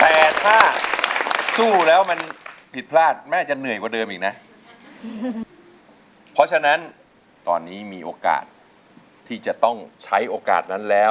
แต่ถ้าสู้แล้วมันผิดพลาดแม่จะเหนื่อยกว่าเดิมอีกนะเพราะฉะนั้นตอนนี้มีโอกาสที่จะต้องใช้โอกาสนั้นแล้ว